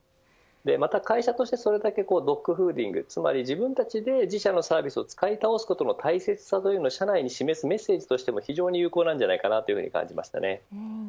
会社としてそれだけドッグフーディング自分たちで自社のサービスを使い倒す大切さを社内に示すメッセージとしても非常に有効だと思います。